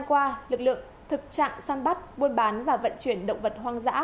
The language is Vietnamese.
hôm qua lực lượng thực trạng săn bắt buôn bán và vận chuyển động vật hoang dã